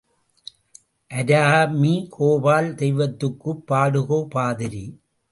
அராமி கோபால் தெய்வத்துக்குப் பாடுகோ பாதிரி.